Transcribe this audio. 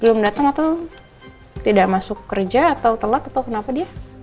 belum datang atau tidak masuk kerja atau telak atau kenapa dia